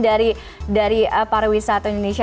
dari pariwisata indonesia